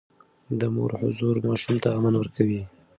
د مور حضور ماشوم ته امن ورکوي.